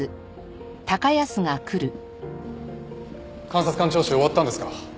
監察官聴取終わったんですか？